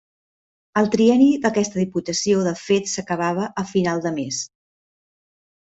El trienni d'aquesta Diputació de fet s'acabava a final de mes.